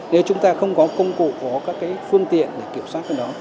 nếu chúng ta không có công cụ có các cái phương tiện để kiểm soát cái đó